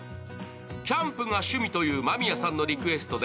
キャンプが趣味という間宮さんのリクエストで